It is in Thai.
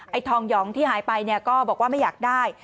ไอ้ทองหยองที่หายไปก็บอกว่าไม่อยากได้